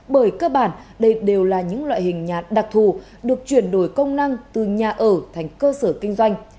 bởi cơ bản đây đều là những loại hình nhà đặc thù được chuyển đổi công năng từ nhà ở thành cơ sở kinh doanh